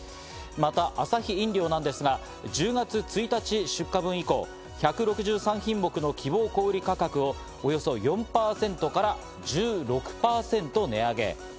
またアサヒ飲料なんですが、１０月１日出荷分以降１６３品目の希望小売価格をおよそ４％から１６％値上げ。